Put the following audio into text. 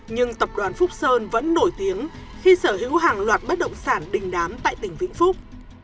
nhưng tập đoàn phúc sơn vẫn nổi tiếng khi sở hữu hàng loạt bất động sản đình đám tại tỉnh vĩnh phúc